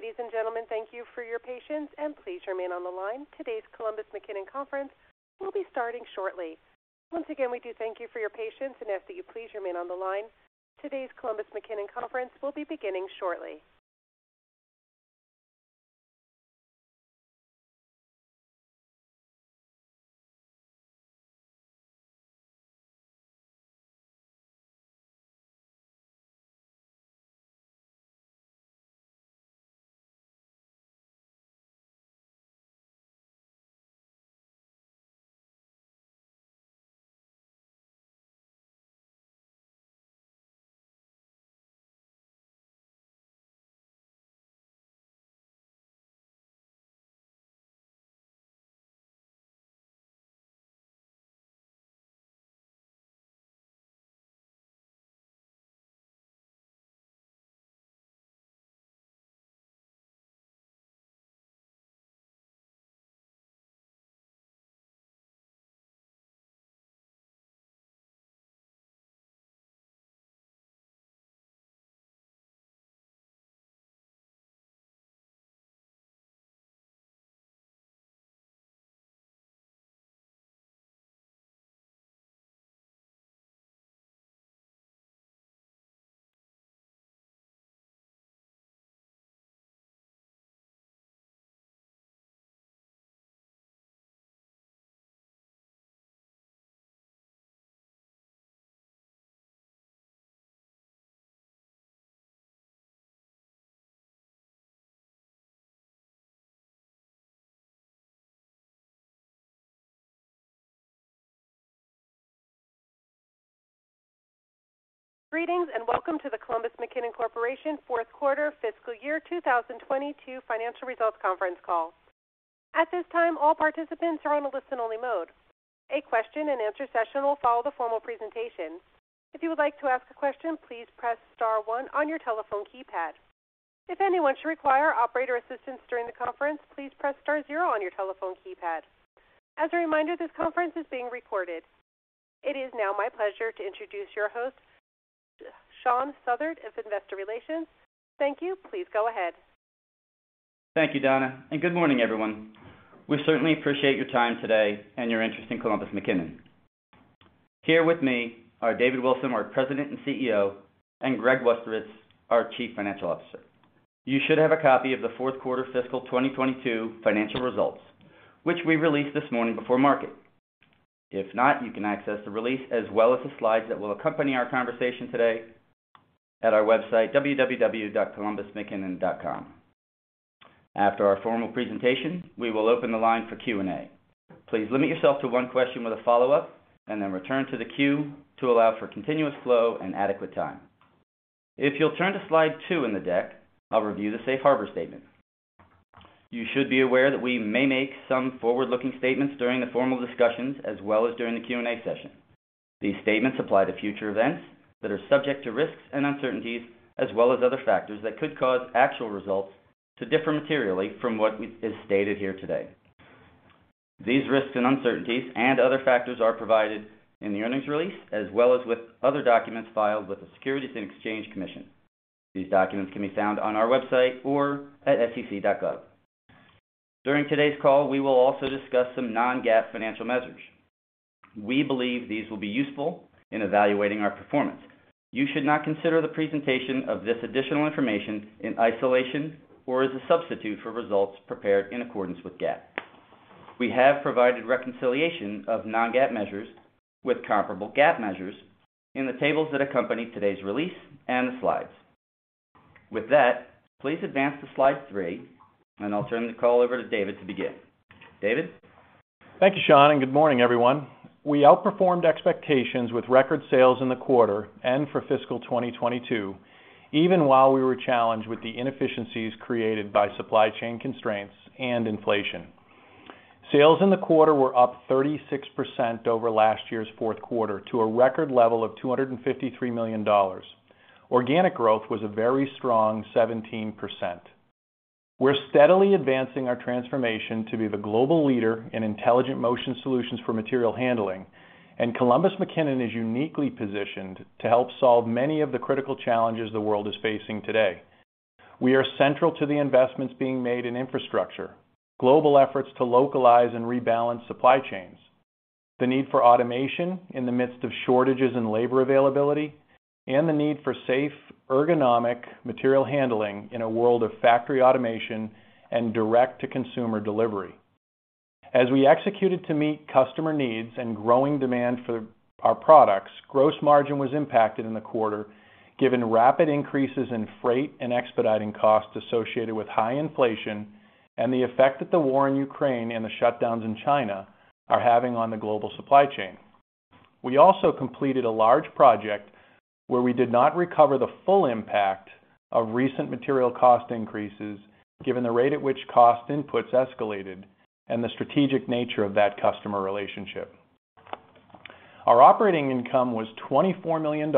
Ladies and gentlemen, thank you for your patience, and please remain on the line. Today's Columbus McKinnon conference will be starting shortly. Once again, we do thank you for your patience and ask that you please remain on the line. Today's Columbus McKinnon conference will be beginning shortly. Greetings, welcome to the Columbus McKinnon Corporation Q4 fiscal year 2022 financial results conference call. At this time, all participants are on a listen only mode. A question and answer session will follow the formal presentation. If you would like to ask a question, please press star one on your telephone keypad. If anyone should require operator assistance during the conference, please press star zero on your telephone keypad. As a reminder, this conference is being recorded. It is now my pleasure to introduce your host, Sean Southard of Investor Relations. Thank you. Please go ahead. Thank you, Donna, and good morning, everyone. We certainly appreciate your time today and your interest in Columbus McKinnon. Here with me are David Wilson, our President and CEO, and Greg Rustowicz, our Chief Financial Officer. You should have a copy of the Q4 fiscal 2022 financial results, which we released this morning before market. If not, you can access the release as well as the slides that will accompany our conversation today at our website www.columbusmckinnon.com. After our formal presentation, we will open the line for Q&A. Please limit yourself to one question with a follow-up and then return to the queue to allow for continuous flow and adequate time. If you'll turn to Slide 2 in the deck, I'll review the safe harbor statement. You should be aware that we may make some forward-looking statements during the formal discussions as well as during the Q&A session. These statements apply to future events that are subject to risks and uncertainties, as well as other factors that could cause actual results to differ materially from what is stated here today. These risks and uncertainties and other factors are provided in the earnings release, as well as with other documents filed with the Securities and Exchange Commission. These documents can be found on our website or at sec.gov. During today's call, we will also discuss some non-GAAP financial measures. We believe these will be useful in evaluating our performance. You should not consider the presentation of this additional information in isolation or as a substitute for results prepared in accordance with GAAP. We have provided reconciliation of non-GAAP measures with comparable GAAP measures in the tables that accompany today's release and the slides. With that, please advance to Slide 3, and I'll turn the call over to David to begin. David? Thank you, Sean, and good morning, everyone. We outperformed expectations with record sales in the quarter and for fiscal 2022, even while we were challenged with the inefficiencies created by supply chain constraints and inflation. Sales in the quarter were up 36% over last year's Q4 to a record level of $253 million. Organic growth was a very strong 17%. We're steadily advancing our transformation to be the global leader in intelligent motion solutions for material handling, and Columbus McKinnon is uniquely positioned to help solve many of the critical challenges the world is facing today. We are central to the investments being made in infrastructure, global efforts to localize and rebalance supply chains, the need for automation in the midst of shortages and labor availability, and the need for safe, ergonomic material handling in a world of factory automation and direct-to-consumer delivery. As we executed to meet customer needs and growing demand for our products, gross margin was impacted in the quarter, given rapid increases in freight and expediting costs associated with high inflation and the effect that the war in Ukraine and the shutdowns in China are having on the global supply chain. We also completed a large project where we did not recover the full impact of recent material cost increases given the rate at which cost inputs escalated and the strategic nature of that customer relationship. Our operating income was $24 million,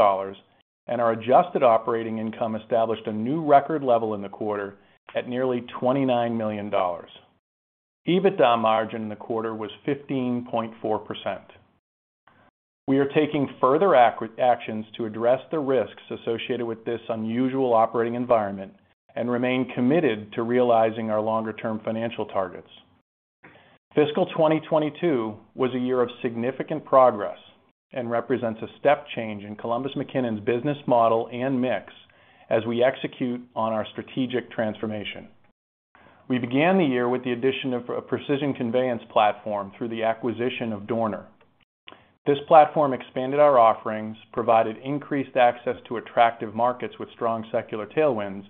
and our adjusted operating income established a new record level in the quarter at nearly $29 million. EBITDA margin in the quarter was 15.4%. We are taking further actions to address the risks associated with this unusual operating environment and remain committed to realizing our longer term financial targets. Fiscal 2022 was a year of significant progress and represents a step change in Columbus McKinnon's business model and mix as we execute on our strategic transformation. We began the year with the addition of a Precision Conveyance platform through the acquisition of Dorner. This platform expanded our offerings, provided increased access to attractive markets with strong secular tailwinds,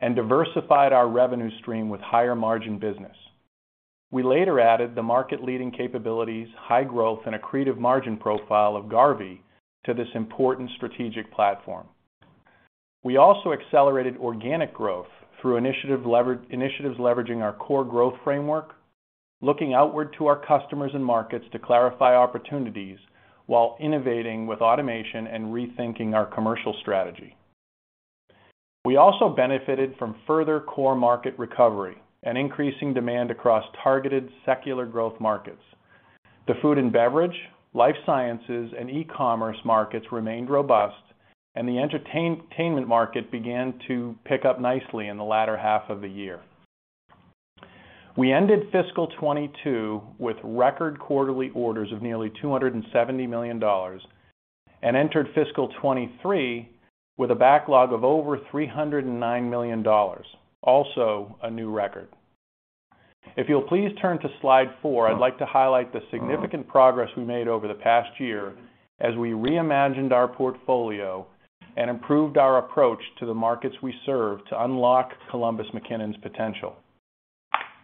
and diversified our revenue stream with higher margin business. We later added the market leading capabilities, high growth, and accretive margin profile of Garvey to this important strategic platform. We also accelerated organic growth through initiatives leveraging our core growth framework, looking outward to our customers and markets to clarify opportunities while innovating with automation and rethinking our commercial strategy. We also benefited from further core market recovery and increasing demand across targeted secular growth markets. The food and beverage, life sciences, and e-commerce markets remained robust, and the entertainment market began to pick up nicely in the latter half of the year. We ended fiscal 2022 with record quarterly orders of nearly $270 million and entered fiscal 2023 with a backlog of over $309 million, also a new record. If you'll please turn to Slide 4, I'd like to highlight the significant progress we made over the past year as we reimagined our portfolio and improved our approach to the markets we serve to unlock Columbus McKinnon's potential.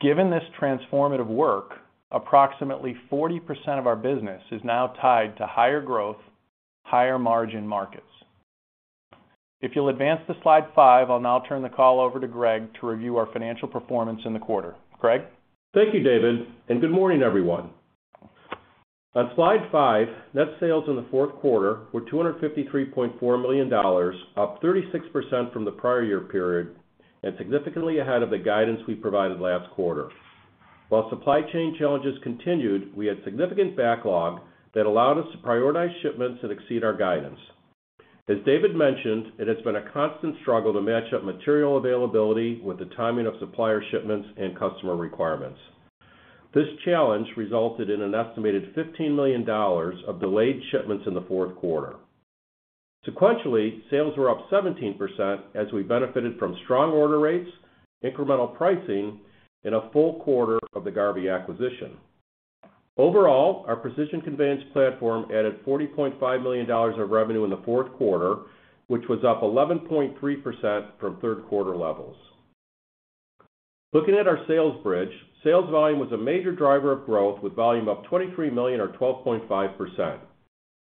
Given this transformative work, approximately 40% of our business is now tied to higher growth, higher margin markets. If you'll advance to Slide 5, I'll now turn the call over to Greg to review our financial performance in the quarter. Greg? Thank you, David, and good morning, everyone. On Slide 5, net sales in the Q4 were $253.4 million, up 36% from the prior year period and significantly ahead of the guidance we provided last quarter. While supply chain challenges continued, we had significant backlog that allowed us to prioritize shipments that exceed our guidance. As David mentioned, it has been a constant struggle to match up material availability with the timing of supplier shipments and customer requirements. This challenge resulted in an estimated $15 million of delayed shipments in the Q4. Sequentially, sales were up 17% as we benefited from strong order rates, incremental pricing, and a full quarter of the Garvey acquisition. Overall, our Precision Conveyance platform added $40.5 million of revenue in the Q4, which was up 11.3% from Q3 levels. Looking at our sales bridge, sales volume was a major driver of growth with volume up $23 million or 12.5%.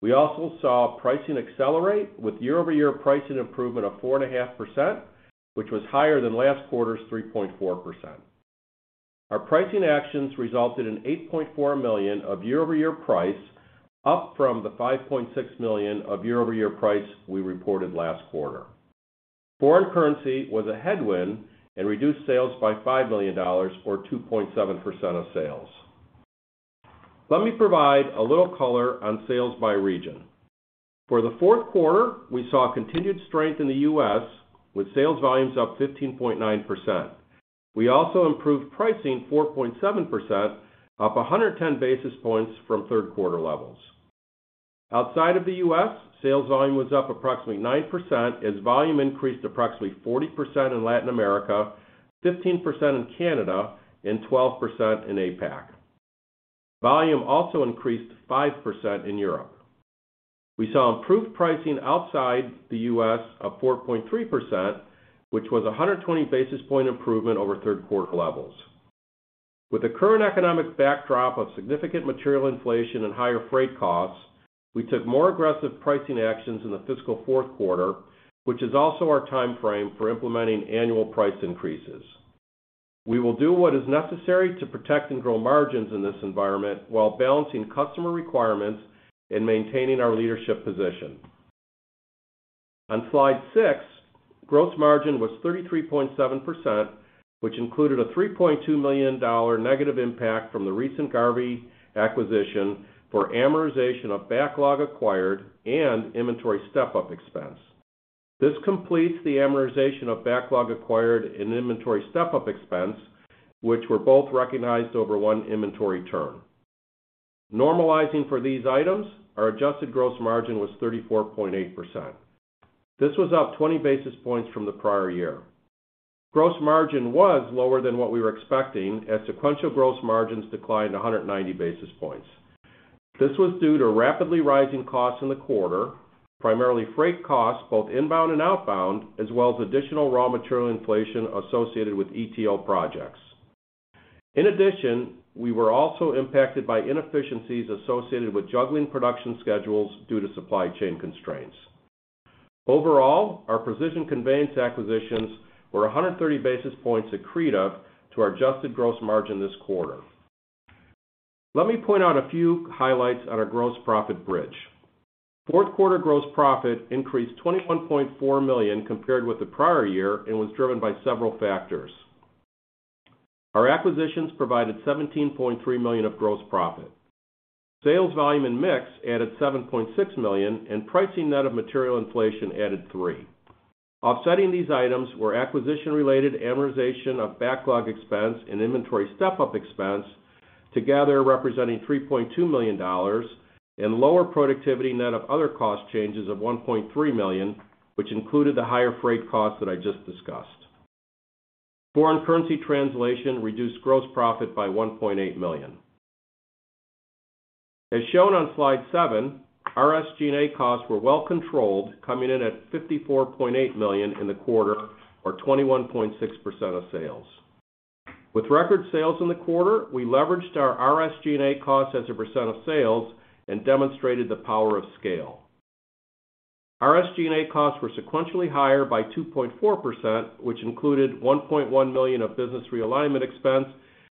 We also saw pricing accelerate with year-over-year pricing improvement of 4.5%, which was higher than last quarter's 3.4%. Our pricing actions resulted in $8.4 million of year-over-year price, up from the $5.6 million of year-over-year price we reported last quarter. Foreign currency was a headwind and reduced sales by $5 million or 2.7% of sales. Let me provide a little color on sales by region. For the Q4, we saw continued strength in the U.S. with sales volumes up 15.9%. We also improved pricing 4.7%, up 110 basis points from Q3 levels. Outside of the U.S., sales volume was up approximately 9% as volume increased approximately 40% in Latin America, 15% in Canada, and 12% in APAC. Volume also increased 5% in Europe. We saw improved pricing outside the U.S. of 4.3%, which was a 120 basis point improvement over Q3 levels. With the current economic backdrop of significant material inflation and higher freight costs, we took more aggressive pricing actions in the fiscal Q4, which is also our timeframe for implementing annual price increases. We will do what is necessary to protect and grow margins in this environment while balancing customer requirements and maintaining our leadership position. On Slide 6, gross margin was 33.7%, which included a $3.2 million negative impact from the recent Garvey acquisition for amortization of backlog acquired and inventory step-up expense. This completes the amortization of backlog acquired and inventory step-up expense, which were both recognized over one inventory turn. Normalizing for these items, our adjusted gross margin was 34.8%. This was up 20 basis points from the prior year. Gross margin was lower than what we were expecting as sequential gross margins declined 190 basis points. This was due to rapidly rising costs in the quarter, primarily freight costs, both inbound and outbound, as well as additional raw material inflation associated with ETO projects. In addition, we were also impacted by inefficiencies associated with juggling production schedules due to supply chain constraints. Overall, our Precision Conveyance acquisitions were 130 basis points accretive to our adjusted gross margin this quarter. Let me point out a few highlights on our gross profit bridge. Q4 gross profit increased $21.4 million compared with the prior year and was driven by several factors. Our acquisitions provided $17.3 million of gross profit. Sales volume and mix added $7.6 million, and pricing net of material inflation added $3 million. Offsetting these items were acquisition-related amortization of backlog expense and inventory step-up expense, together representing $3.2 million, and lower productivity net of other cost changes of $1.3 million, which included the higher freight cost that I just discussed. Foreign currency translation reduced gross profit by $1.8 million. As shown on Slide 7, our SG&A costs were well controlled, coming in at $54.8 million in the quarter, or 21.6% of sales. With record sales in the quarter, we leveraged our SG&A costs as a percent of sales and demonstrated the power of scale. SG&A costs were sequentially higher by 2.4%, which included $1.1 million of business realignment expense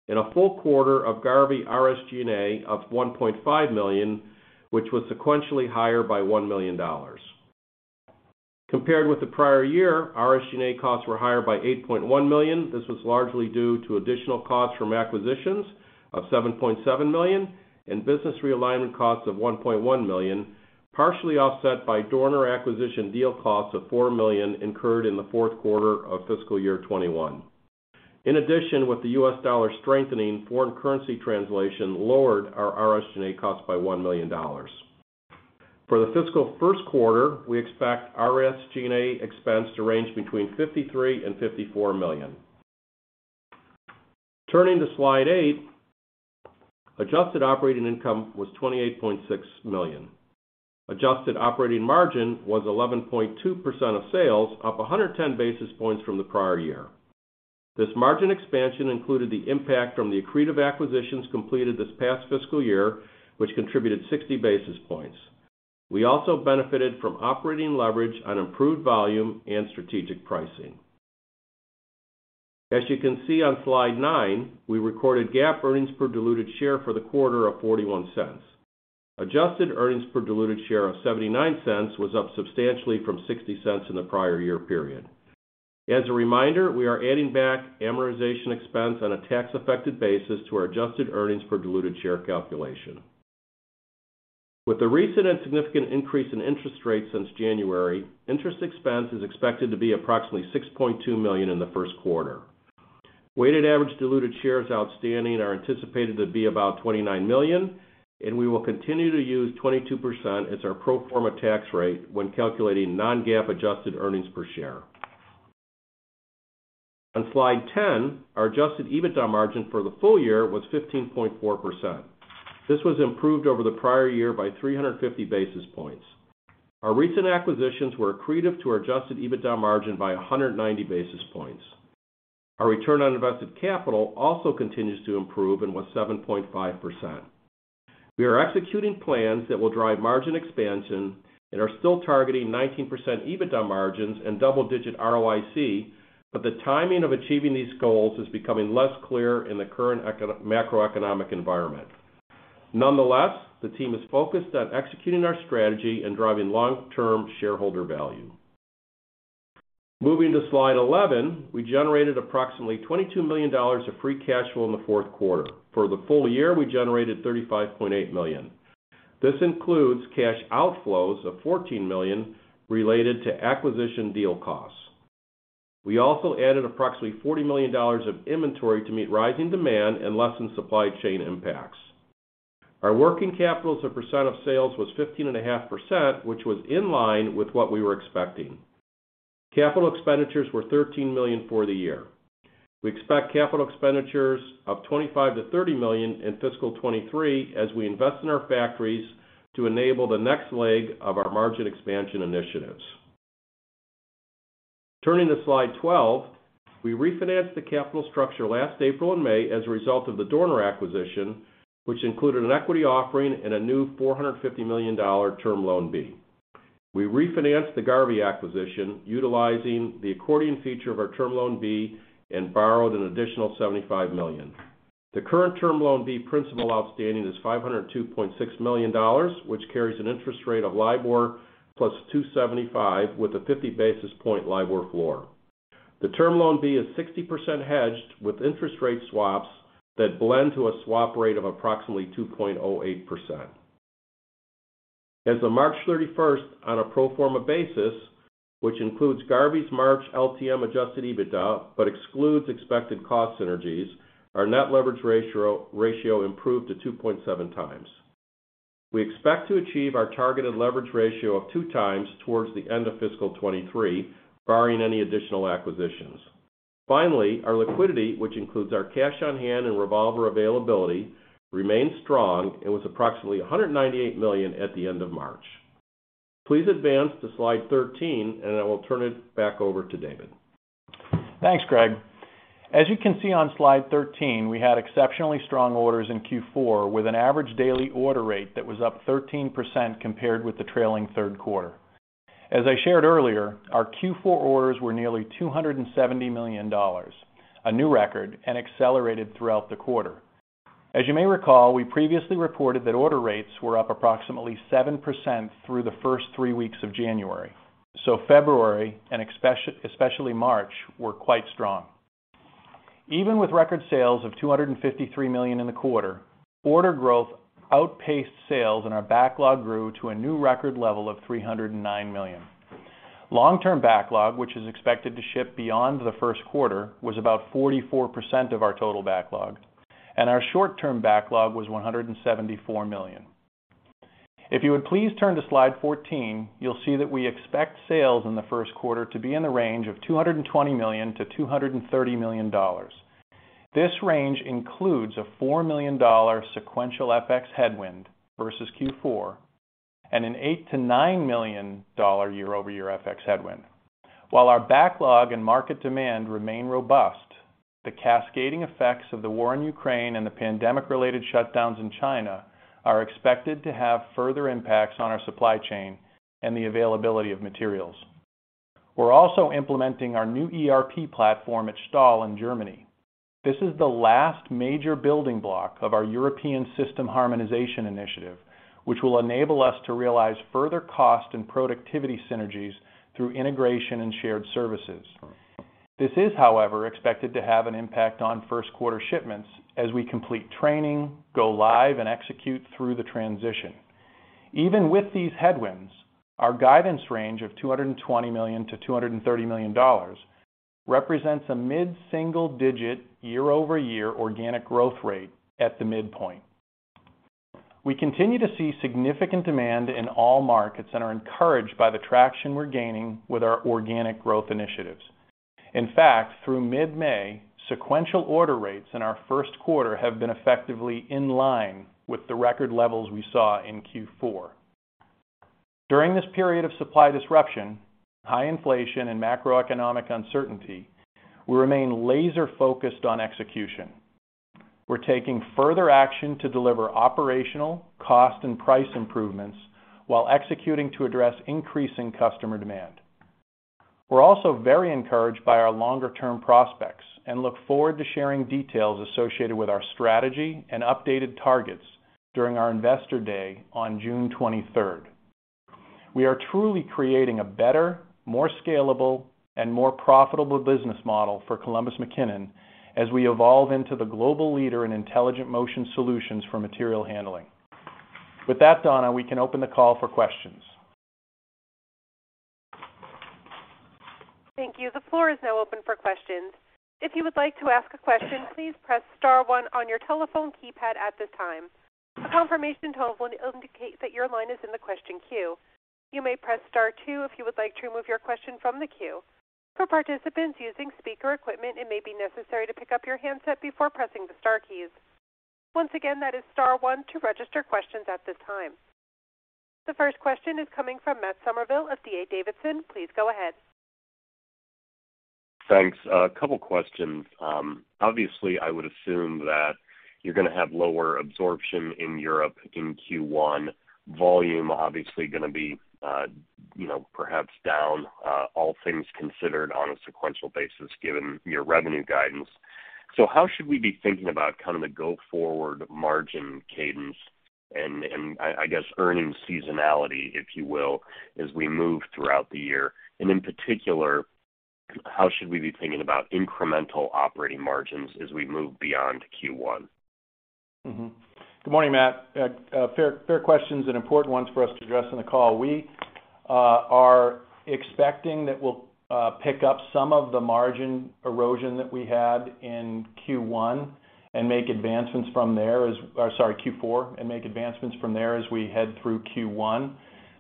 and a full quarter of Garvey SG&A of $1.5 million, which was sequentially higher by $1 million. Compared with the prior year, SG&A costs were higher by $8.1 million. This was largely due to additional costs from acquisitions of $7.7 million and business realignment costs of $1.1 million, partially offset by Dorner acquisition deal costs of $4 million incurred in the Q4 of fiscal year 2021. In addition, with the U.S. dollar strengthening, foreign currency translation lowered our SG&A costs by $1 million. For the fiscal Q1, we expect SG&A expense to range between $53 million and $54 million. Turning to Slide 8, adjusted operating income was $28.6 million. Adjusted operating margin was 11.2% of sales, up 110 basis points from the prior year. This margin expansion included the impact from the accretive acquisitions completed this past fiscal year, which contributed 60 basis points. We also benefited from operating leverage on improved volume and strategic pricing. As you can see on Slide 9, we recorded GAAP earnings per diluted share for the quarter of $0.41. Adjusted earnings per diluted share of $0.79 was up substantially from $0.60 in the prior year period. As a reminder, we are adding back amortization expense on a tax-effective basis to our adjusted earnings per diluted share calculation. With the recent and significant increase in interest rates since January, interest expense is expected to be approximately $6.2 million in the Q1. Weighted average diluted shares outstanding are anticipated to be about 29 million, and we will continue to use 22% as our pro forma tax rate when calculating non-GAAP adjusted earnings per share. On Slide 10, our Adjusted EBITDA margin for the full year was 15.4%. This was improved over the prior year by 350 basis points. Our recent acquisitions were accretive to our Adjusted EBITDA margin by 190 basis points. Our return on invested capital also continues to improve and was 7.5%. We are executing plans that will drive margin expansion and are still targeting 19% EBITDA margins and double-digit ROIC, but the timing of achieving these goals is becoming less clear in the current macroeconomic environment. Nonetheless, the team is focused on executing our strategy and driving long-term shareholder value. Moving to Slide 11. We generated approximately $22 million of free cash flow in the Q4. For the full year, we generated $35.8 million. This includes cash outflows of $14 million related to acquisition deal costs. We also added approximately $40 million of inventory to meet rising demand and lessen supply chain impacts. Our working capital as a percent of sales was 15.5%, which was in line with what we were expecting. Capital expenditures were $13 million for the year. We expect capital expenditures of $25 million-$30 million in fiscal 2023 as we invest in our factories to enable the next leg of our margin expansion initiatives. Turning to Slide 12. We refinanced the capital structure last April and May as a result of the Dorner acquisition, which included an equity offering and a new $450 million Term Loan B. We refinanced the Garvey acquisition utilizing the accordion feature of our Term Loan B and borrowed an additional $75 million. The current Term Loan B principal outstanding is $502.6 million, which carries an interest rate of LIBOR plus 275 with a 50 basis point LIBOR floor. The Term Loan B is 60% hedged with interest rate swaps that blend to a swap rate of approximately 2.08%. As of March 31, on a pro forma basis, which includes Garvey's March LTM Adjusted EBITDA but excludes expected cost synergies, our net leverage ratio improved to 2.7x. We expect to achieve our targeted leverage ratio of two times towards the end of fiscal 2023, barring any additional acquisitions. Finally, our liquidity, which includes our cash on hand and revolver availability, remains strong and was approximately $198 million at the end of March. Please advance to Slide 13, and I will turn it back over to David. Thanks, Greg. As you can see on Slide 13, we had exceptionally strong orders in Q4, with an average daily order rate that was up 13% compared with the trailing Q3. As I shared earlier, our Q4 orders were nearly $270 million, a new record, and accelerated throughout the quarter. As you may recall, we previously reported that order rates were up approximately 7% through the first three weeks of January, so February and especially March were quite strong. Even with record sales of $253 million in the quarter, order growth outpaced sales and our backlog grew to a new record level of $309 million. Long-term backlog, which is expected to ship beyond the Q1, was about 44% of our total backlog, and our short-term backlog was $174 million. If you would please turn to Slide 14, you'll see that we expect sales in the Q1 to be in the range of $220 million-$230 million. This range includes a $4 million sequential FX headwind versus Q4 and an $8 million-$9 million year-over-year FX headwind. While our backlog and market demand remain robust, the cascading effects of the war in Ukraine and the pandemic-related shutdowns in China are expected to have further impacts on our supply chain and the availability of materials. We're also implementing our new ERP platform at Stahl in Germany. This is the last major building block of our European system harmonization initiative, which will enable us to realize further cost and productivity synergies through integration and shared services. This is, however, expected to have an impact on Q1 shipments as we complete training, go live, and execute through the transition. Even with these headwinds, our guidance range of $220 million-$230 million represents a mid-single digit year-over-year organic growth rate at the midpoint. We continue to see significant demand in all markets and are encouraged by the traction we're gaining with our organic growth initiatives. In fact, through mid-May, sequential order rates in our Q1 have been effectively in line with the record levels we saw in Q4. During this period of supply disruption, high inflation, and macroeconomic uncertainty, we remain laser-focused on execution. We're taking further action to deliver operational cost and price improvements while executing to address increasing customer demand. We're also very encouraged by our longer-term prospects and look forward to sharing details associated with our strategy and updated targets during our Investor Day on 23 June 2022. We are truly creating a better, more scalable, and more profitable business model for Columbus McKinnon as we evolve into the global leader in intelligent motion solutions for material handling. With that, Donna, we can open the call for questions. Thank you. The floor is now open for questions. If you would like to ask a question, please press star one on your telephone keypad at this time. A confirmation tone will indicate that your line is in the question queue. You may press star two if you would like to remove your question from the queue. For participants using speaker equipment, it may be necessary to pick up your handset before pressing the star keys. Once again, that is star one to register questions at this time. The first question is coming from Matt Summerville of D.A. Davidson. Please go ahead. Thanks. A couple questions. Obviously, I would assume that you're gonna have lower absorption in Europe in Q1. Volume obviously gonna be, you know, perhaps down, all things considered, on a sequential basis, given your revenue guidance. How should we be thinking about kind of the go-forward margin cadence and I guess earnings seasonality, if you will, as we move throughout the year? In particular, how should we be thinking about incremental operating margins as we move beyond Q1? Good morning, Matt. Fair questions and important ones for us to address on the call. We are expecting that we'll pick up some of the margin erosion that we had in Q4 and make advancements from there as we head through Q1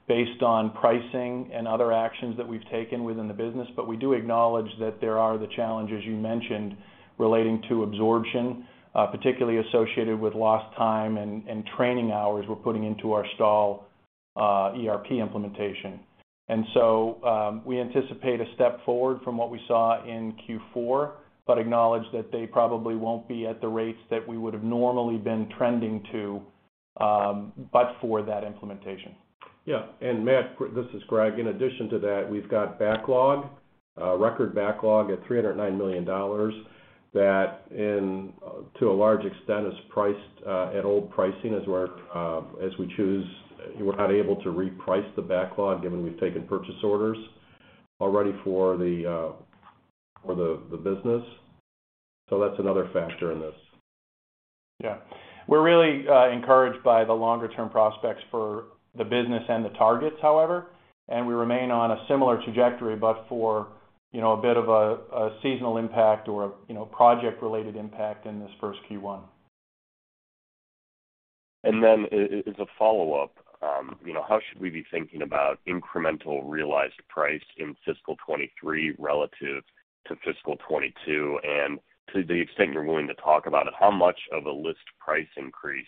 based on pricing and other actions that we've taken within the business. We do acknowledge that there are the challenges you mentioned relating to absorption, particularly associated with lost time and training hours we're putting into our STAHL ERP implementation. We anticipate a step forward from what we saw in Q4 but acknowledge that they probably won't be at the rates that we would have normally been trending to, but for that implementation. Yeah. Matt, this is Greg. In addition to that, we've got backlog, record backlog at $309 million that, into a large extent, is priced at old pricing as we choose. We're not able to reprice the backlog given we've taken purchase orders already for the business. That's another factor in this. Yeah. We're really encouraged by the longer-term prospects for the business and the targets, however, and we remain on a similar trajectory, but for, you know, a bit of a seasonal impact or, you know, project-related impact in this first Q1. As a follow-up, you know, how should we be thinking about incremental realized price in fiscal 2023 relative to fiscal 2022? To the extent you're willing to talk about it, how much of a list price increase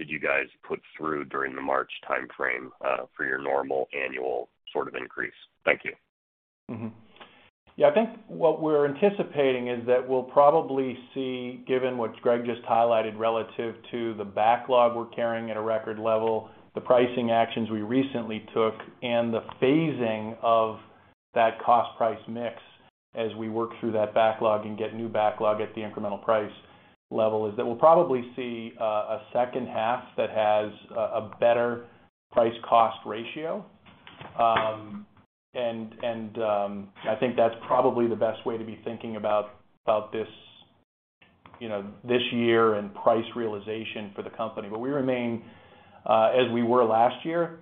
did you guys put through during the March timeframe, for your normal annual sort of increase? Thank you. Yeah. I think what we're anticipating is that we'll probably see, given what Greg just highlighted relative to the backlog we're carrying at a record level, the pricing actions we recently took, and the phasing of that cost price mix as we work through that backlog and get new backlog at the incremental price level, a second half that has a better price cost ratio. I think that's probably the best way to be thinking about this, you know, this year and price realization for the company. We remain, as we were last year,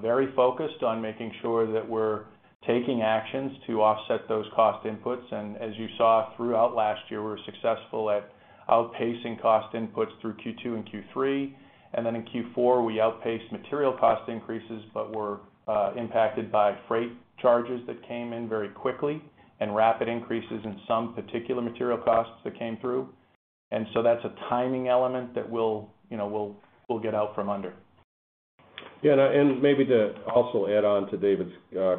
very focused on making sure that we're taking actions to offset those cost inputs. As you saw throughout last year, we were successful at outpacing cost inputs through Q2 and Q3. In Q4, we outpaced material cost increases, but were impacted by freight charges that came in very quickly and rapid increases in some particular material costs that came through. That's a timing element that we'll, you know, get out from under. Yeah, maybe to also add on to David's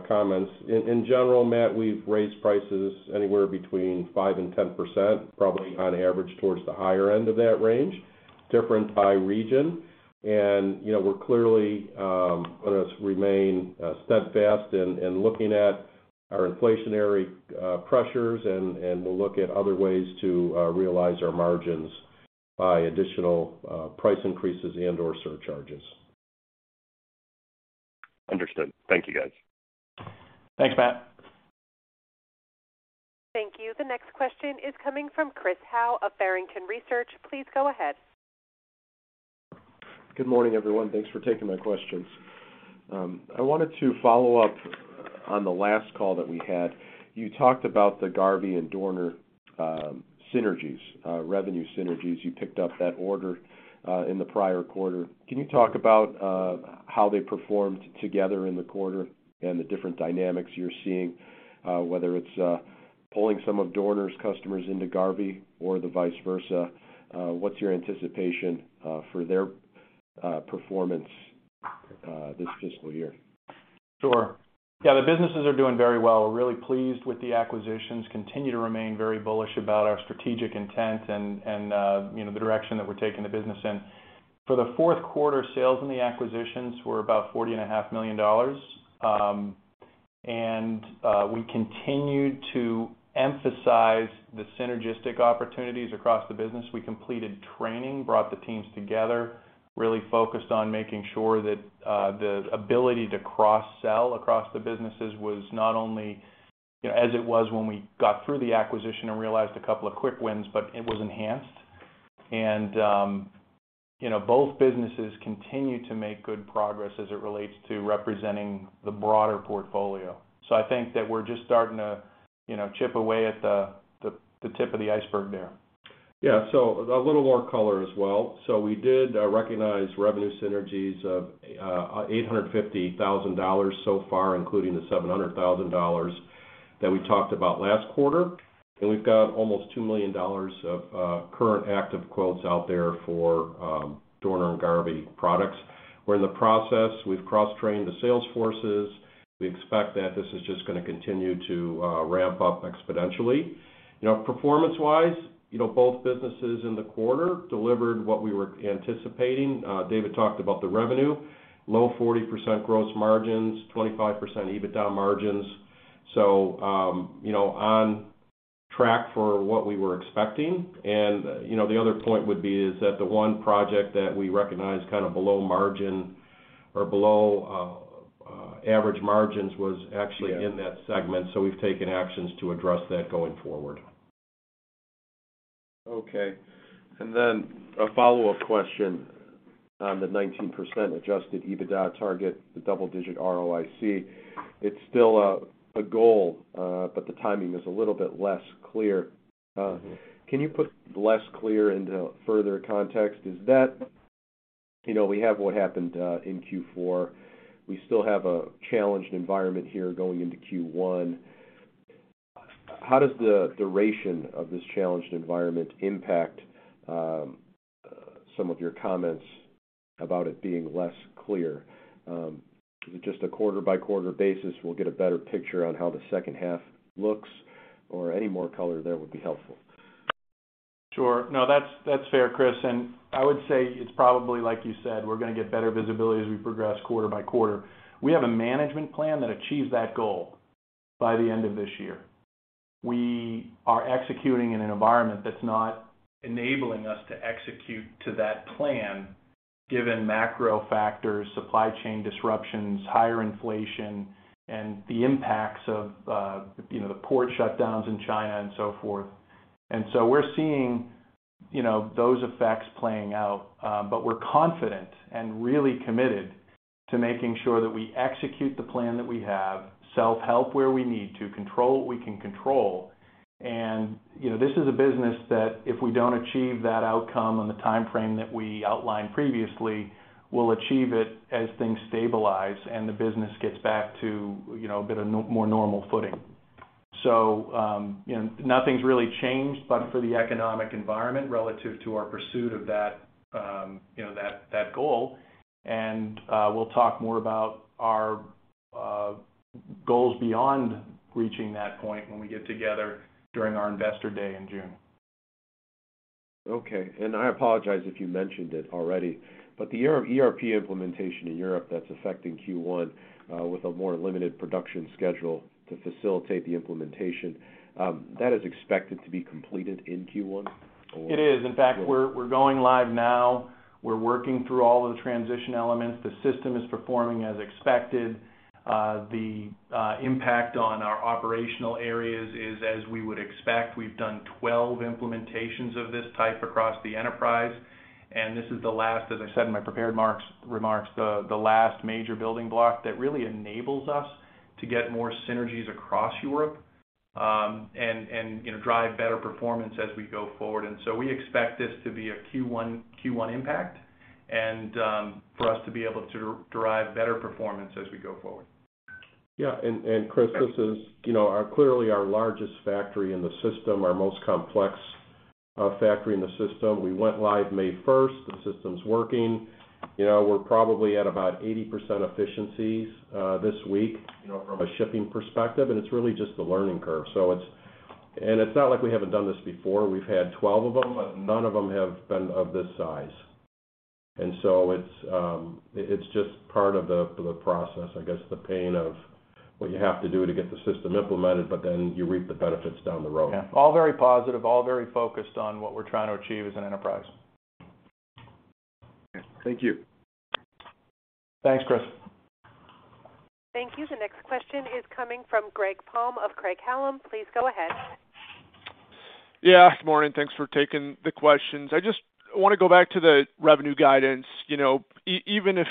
comments. In general, Matt, we've raised prices anywhere between 5% and 10%, probably on average towards the higher end of that range, different by region. You know, we're clearly gonna remain steadfast in looking at our inflationary pressures, and we'll look at other ways to realize our margins by additional price increases and/or surcharges. Understood. Thank you, guys. Thanks, Matt. Thank you. The next question is coming from Christopher Howe of Barrington Research. Please go ahead. Good morning, everyone. Thanks for taking my questions. I wanted to follow up on the last call that we had. You talked about the Garvey and Dorner synergies, revenue synergies. You picked up that order in the prior quarter. Can you talk about how they performed together in the quarter and the different dynamics you're seeing, whether it's pulling some of Dorner's customers into Garvey or the vice versa? What's your anticipation for their performance this fiscal year? Sure. Yeah, the businesses are doing very well. We're really pleased with the acquisitions, continue to remain very bullish about our strategic intent and, you know, the direction that we're taking the business in. For the Q4, sales in the acquisitions were about $40.5 million. We continued to emphasize the synergistic opportunities across the business. We completed training, brought the teams together, really focused on making sure that the ability to cross-sell across the businesses was not only, you know, as it was when we got through the acquisition and realized a couple of quick wins, but it was enhanced. You know, both businesses continue to make good progress as it relates to representing the broader portfolio. I think that we're just starting to, you know, chip away at the tip of the iceberg there. Yeah. A little more color as well. We did recognize revenue synergies of $850,000 so far, including the $700,000 that we talked about last quarter. We've got almost $2 million of current active quotes out there for Dorner and Garvey products. We're in the process. We've cross-trained the sales forces. We expect that this is just gonna continue to ramp up exponentially. You know, performance-wise, you know, both businesses in the quarter delivered what we were anticipating. David talked about the revenue, low 40% gross margins, 25% EBITDA margins. You know, on track for what we were expecting. You know, the other point would be is that the one project that we recognized kind of below average margins was actually in that segment, so we've taken actions to address that going forward. Okay. A follow-up question on the 19% Adjusted EBITDA target, the double-digit ROIC. It's still a goal, but the timing is a little bit less clear. Can you put less clear into further context? Is that we have what happened in Q4. We still have a challenged environment here going into Q1. How does the duration of this challenged environment impact some of your comments about it being less clear? Just a quarter-by-quarter basis, we'll get a better picture on how the second half looks or any more color there would be helpful. Sure. No, that's fair, Chris. I would say it's probably like you said, we're gonna get better visibility as we progress quarter by quarter. We have a management plan that achieves that goal by the end of this year. We are executing in an environment that's not enabling us to execute to that plan, given macro factors, supply chain disruptions, higher inflation, and the impacts of, you know, the port shutdowns in China and so forth. We're seeing, you know, those effects playing out. We're confident and really committed to making sure that we execute the plan that we have, self-help where we need to, control what we can control. You know, this is a business that if we don't achieve that outcome on the timeframe that we outlined previously, we'll achieve it as things stabilize and the business gets back to, you know, a bit of more normal footing. You know, nothing's really changed but for the economic environment relative to our pursuit of that, you know, that goal. We'll talk more about our goals beyond reaching that point when we get together during our Investor Day in June. Okay. I apologize if you mentioned it already, but the ERP implementation in Europe that's affecting Q1 with a more limited production schedule to facilitate the implementation, that is expected to be completed in Q1 or? It is. In fact, we're going live now. We're working through all of the transition elements. The system is performing as expected. The impact on our operational areas is as we would expect. We've done 12 implementations of this type across the enterprise, and this is the last, as I said in my prepared remarks, the last major building block that really enables us to get more synergies across Europe, and you know, drive better performance as we go forward. We expect this to be a Q1 impact and for us to be able to derive better performance as we go forward. Chris, this is, you know, clearly our largest factory in the system, our most complex factory in the system. We went live 1 May 2022. The system's working. You know, we're probably at about 80% efficiencies this week, you know, from a shipping perspective, and it's really just the learning curve. It's not like we haven't done this before. We've had 12 of them, but none of them have been of this size. It's just part of the process, I guess, the pain of what you have to do to get the system implemented, but then you reap the benefits down the road. Yeah. All very positive, all very focused on what we're trying to achieve as an enterprise. Thank you. Thanks, Chris. Thank you. The next question is coming from Greg Palm of Craig-Hallum. Please go ahead. Yeah. Good morning. Thanks for taking the questions. I just want to go back to the revenue guidance. You know, even if,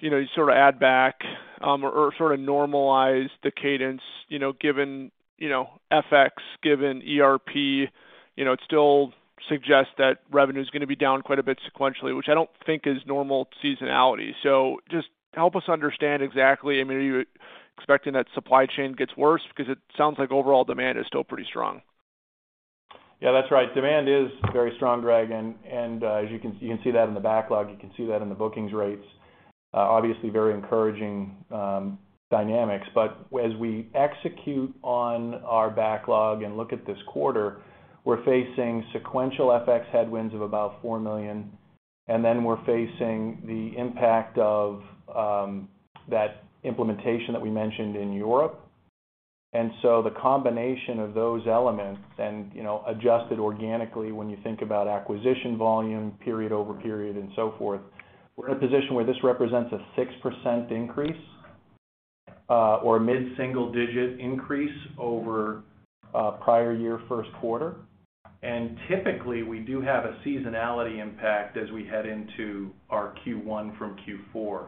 you know, you sort of add back or sort of normalize the cadence, you know, given, you know, FX, given ERP, you know, it still suggests that revenue is gonna be down quite a bit sequentially, which I don't think is normal seasonality. Just help us understand exactly. I mean, are you expecting that supply chain gets worse? Because it sounds like overall demand is still pretty strong. Yeah, that's right. Demand is very strong, Greg, as you can see, you can see that in the backlog, you can see that in the bookings rates. Obviously very encouraging dynamics. As we execute on our backlog and look at this quarter, we're facing sequential FX headwinds of about $4 million, and then we're facing the impact of that implementation that we mentioned in Europe. The combination of those elements and, you know, adjusted organically when you think about acquisition volume, period-over-period and so forth, we're in a position where this represents a 6% increase, or a mid-single-digit increase over prior year Q1. Typically, we do have a seasonality impact as we head into our Q1 from Q4.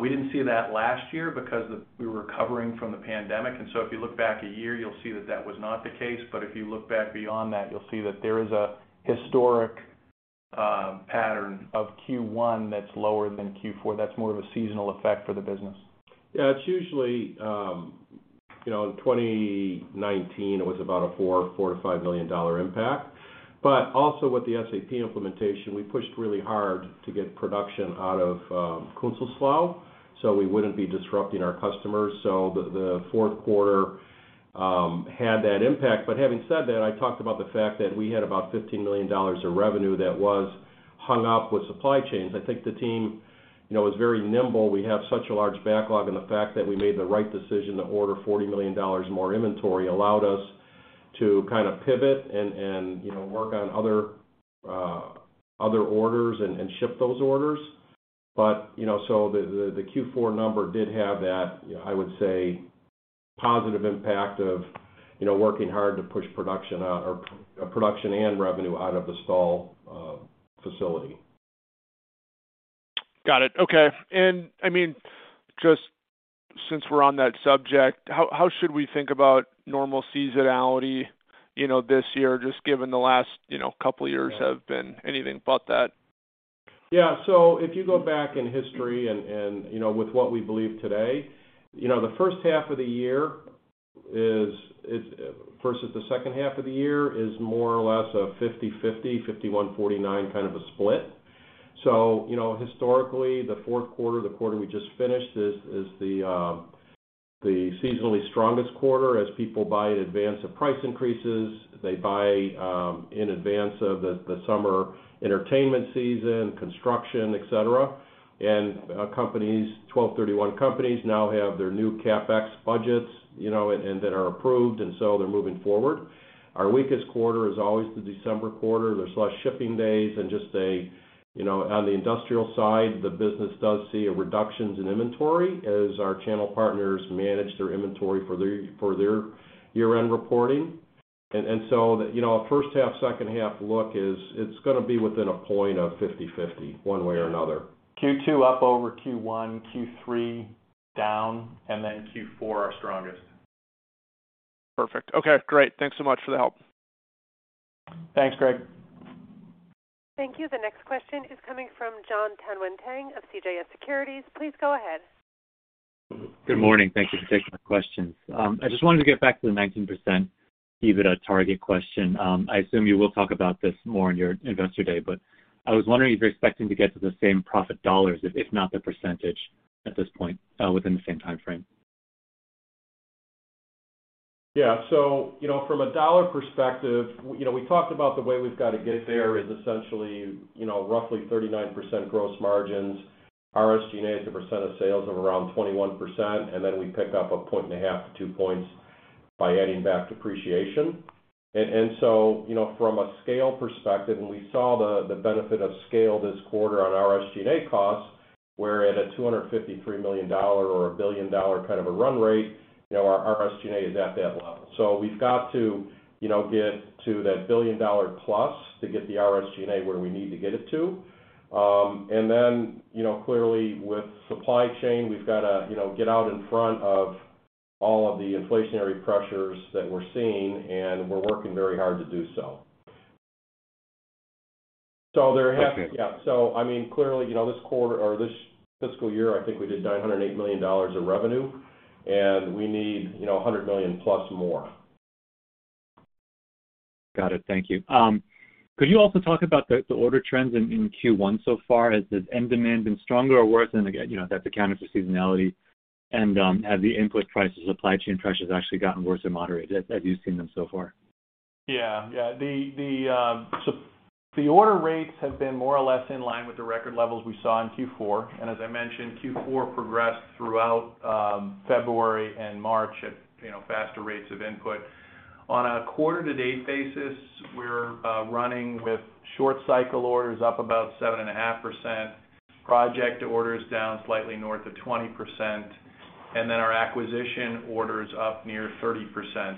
We didn't see that last year because we were recovering from the pandemic. If you look back a year, you'll see that that was not the case. If you look back beyond that, you'll see that there is a historic pattern of Q1 that's lower than Q4. That's more of a seasonal effect for the business. Yeah, it's usually, you know, in 2019, it was about a $4 million-$5 million impact. But also with the SAP implementation, we pushed really hard to get production out of Künzelsau, so we wouldn't be disrupting our customers. The Q4 had that impact. But having said that, I talked about the fact that we had about $15 million of revenue that was hung up with supply chains. I think the team, you know, is very nimble. We have such a large backlog, and the fact that we made the right decision to order $40 million more inventory allowed us to kind of pivot and, you know, work on other orders and ship those orders. You know, so the Q4 number did have that, I would say, positive impact of, you know, working hard to push production and revenue out of a Stahl facility. Got it. Okay. I mean, just since we're on that subject, how should we think about normal seasonality, you know, this year, just given the last, you know, couple of years have been anything but that? Yeah. If you go back in history and, you know, with what we believe today, you know, the first half of the year is versus the second half of the year is more or less a 50/50, 51/49 kind of a split. Historically, the Q4, the quarter we just finished is the seasonally strongest quarter as people buy in advance of price increases. They buy in advance of the summer entertainment season, construction, et cetera. Companies, 12-31 companies now have their new CapEx budgets, you know, and that are approved, and so they're moving forward. Our weakest quarter is always the December quarter. There's less shipping days and just a, you know, on the industrial side, the business does see a reduction in inventory as our channel partners manage their inventory for their year-end reporting. And so, you know, a first half, second half look is it's gonna be within a point of 50/50, one way or another. Q2 up over Q1, Q3 down, and then Q4, our strongest. Perfect. Okay, great. Thanks so much for the help. Thanks, Greg. Thank you. The next question is coming from Jon Tanwanteng of CJS Securities. Please go ahead. Good morning. Thank you for taking my questions. I just wanted to get back to the 19% EBITDA target question. I assume you will talk about this more in your Investor Day, but I was wondering if you're expecting to get to the same profit dollars, if not the percentage at this point, within the same timeframe. Yeah. You know, from a dollar perspective, you know, we talked about the way we've gotta get there is essentially, you know, roughly 39% gross margins. SG&A as a percent of sales of around 21%, and then we pick up 1.5 to two points by adding back depreciation. You know, from a scale perspective, we saw the benefit of scale this quarter on SG&A costs. We're at a $253 million or $1 billion kind of a run rate. You know, our SG&A is at that level. We've got to, you know, get to that $1 billion+ to get the SG&A where we need to get it to. You know, clearly with supply chain, we've gotta, you know, get out in front of all of the inflationary pressures that we're seeing, and we're working very hard to do so. There have, yeah. I mean, clearly, you know, this quarter or this fiscal year, I think we did $908 million of revenue, and we need, you know, $100 million+ more. Got it. Thank you. Could you also talk about the order trends in Q1 so far? Has the end demand been stronger or worse than, again, you know, that's accounted for seasonality and, have the input prices, supply chain pressures actually gotten worse or moderated as you've seen them so far? The order rates have been more or less in line with the record levels we saw in Q4. As I mentioned, Q4 progressed throughout February and March at faster rates of input. On a quarter to date basis, we're running with short cycle orders up about 7.5%, project orders down slightly north of 20%, and then our acquisition orders up near 30%.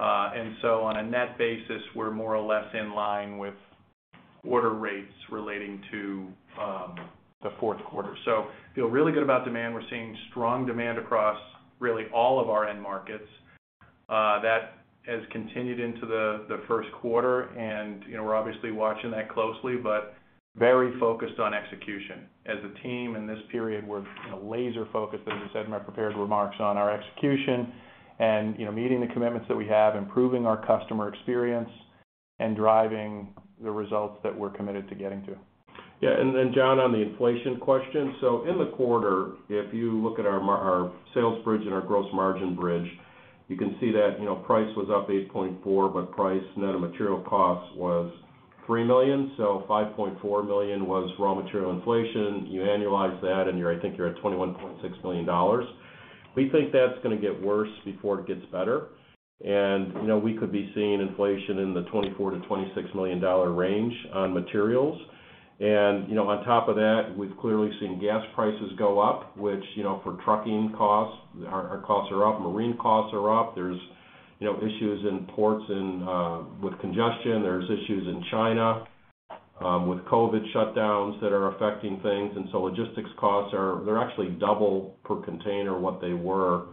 On a net basis, we're more or less in line with order rates relating to the Q4. Feel really good about demand. We're seeing strong demand across really all of our end markets that has continued into the Q1. We're obviously watching that closely, but very focused on execution. As a team in this period, we're, you know, laser focused, as I said in my prepared remarks on our execution and, you know, meeting the commitments that we have, improving our customer experience, and driving the results that we're committed to getting to. Yeah. Then Jon, on the inflation question, in the quarter, if you look at our sales bridge and our gross margin bridge, you can see that, you know, price was up 8.4%, but price net of material costs was $3 million. So $5.4 million was raw material inflation. You annualize that and I think you're at $21.6 million. We think that's gonna get worse before it gets better. You know, we could be seeing inflation in the $24 million-$26 million range on materials. You know, on top of that, we've clearly seen gas prices go up, which, you know, for trucking costs, our costs are up, marine costs are up. There's, you know, issues in ports and with congestion. There's issues in China with COVID shutdowns that are affecting things. Logistics costs are. They're actually double per container what they were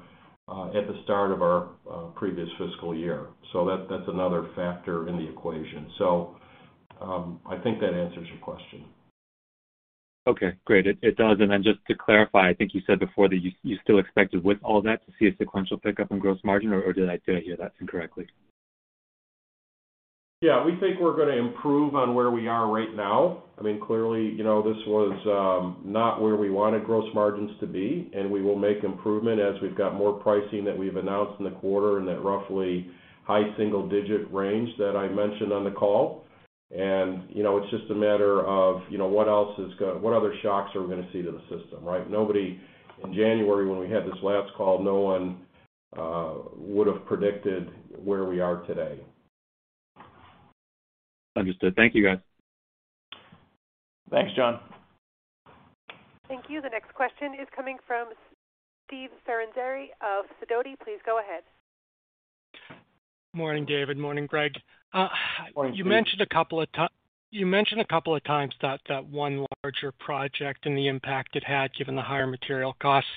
at the start of our previous fiscal year. That's another factor in the equation. I think that answers your question. Okay, great. It does. Just to clarify, I think you said before that you still expected with all that to see a sequential pickup in gross margin or did I hear that incorrectly? Yeah. We think we're gonna improve on where we are right now. I mean, clearly, you know, this was not where we wanted gross margins to be, and we will make improvement as we've got more pricing that we've announced in the quarter in that roughly high single digit range that I mentioned on the call. You know, it's just a matter of, you know, what other shocks are we gonna see to the system, right? Nobody. In January when we had this last call, no one would've predicted where we are today. Understood. Thank you, guys. Thanks, Jon. Thank you. The next question is coming from Steve Ferazani of Sidoti. Please go ahead. Morning, David. Morning, Greg. Morning, Steve. You mentioned a couple of times that one larger project and the impact it had given the higher material costs.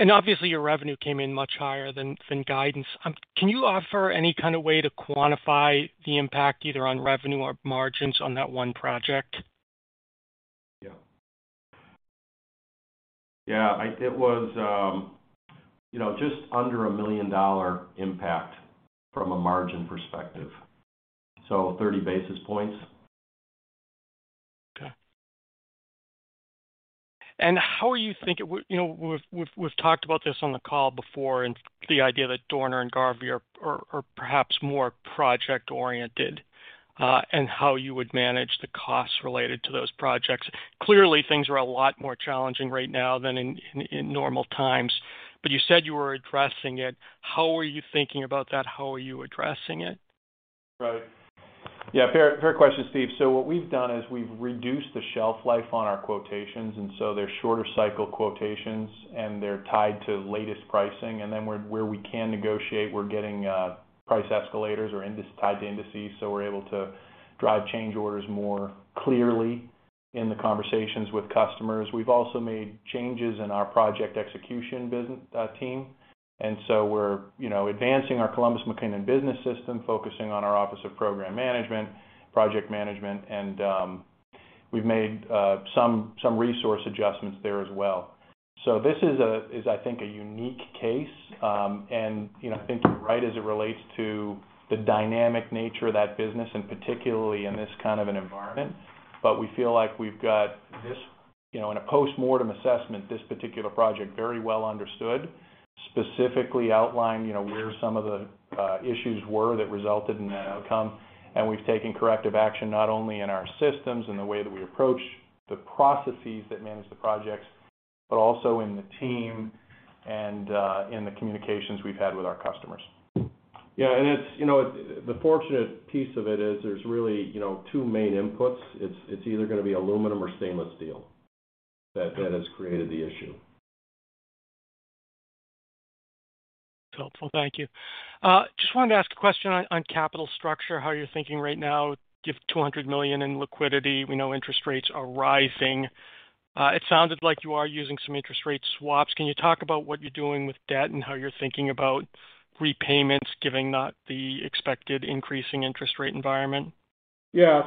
Obviously your revenue came in much higher than guidance. Can you offer any kind of way to quantify the impact either on revenue or margins on that one project? Yeah, it was, you know, just under $1 million impact from a margin perspective. 30 basis points. Okay. How are you thinking, you know, we've talked about this on the call before and the idea that Dorner and Garvey are perhaps more project-oriented, and how you would manage the costs related to those projects. Clearly, things are a lot more challenging right now than in normal times, but you said you were addressing it. How are you thinking about that? How are you addressing it? Right. Yeah. Fair question, Steve. What we've done is we've reduced the shelf life on our quotations, and so they're shorter cycle quotations, and they're tied to latest pricing. Then where we can negotiate, we're getting price escalators or tied to indices, so we're able to drive change orders more clearly in the conversations with customers. We've also made changes in our project execution team. We're, you know, advancing our Columbus McKinnon business system, focusing on our office of program management, project management, and we've made some resource adjustments there as well. This is, I think, a unique case, and, you know, I think you're right as it relates to the dynamic nature of that business and particularly in this kind of an environment. We feel like we've got this. You know, in a postmortem assessment, this particular project very well understood, specifically outlined, you know, where some of the issues were that resulted in that outcome. We've taken corrective action not only in our systems and the way that we approach the processes that manage the projects, but also in the team and in the communications we've had with our customers. Yeah. It's, you know, the fortunate piece of it is there's really, you know, two main inputs. It's either gonna be aluminum or stainless steel that has created the issue. Helpful. Thank you. Just wanted to ask a question on capital structure, how you're thinking right now. You have $200 million in liquidity. We know interest rates are rising. It sounded like you are using some interest rate swaps. Can you talk about what you're doing with debt and how you're thinking about repayments, given the expected increasing interest rate environment? Yeah.